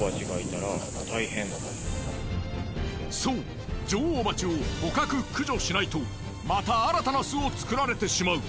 そう女王蜂を捕獲駆除しないとまた新たな巣を作られてしまう。